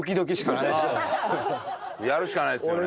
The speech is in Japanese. やるしかないですよね。